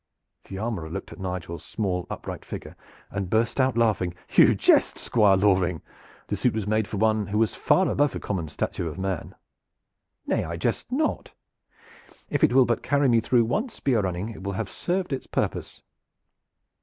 The armorer looked at Nigel's small upright figure and burst out laughing. "You jest, Squire Loring! The suit was made for one who was far above the common stature of man." "Nay, I jest not. If it will but carry me through one spear running it will have served its purpose."